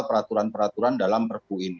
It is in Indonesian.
peraturan peraturan dalam perpu ini